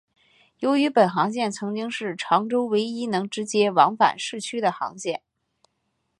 由于本航线曾经是长洲唯一能直接往返市区的航线。